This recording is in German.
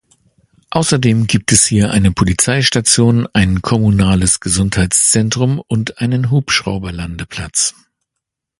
Außerdem gibt es hier eine Polizeistation, ein kommunales Gesundheitszentrum und einen Hubschrauberlandeplatz.